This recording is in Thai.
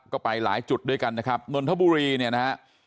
ก็ไปหลายจุดด้วยกันนะครับนนทบุรีเนี่ยนะฮะ